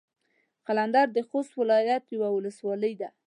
قلندر د خوست ولايت يوه ولسوالي ده.